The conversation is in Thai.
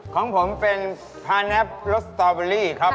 ของผมเป็นพานับรสสตรอเบอร์รี่ครับผม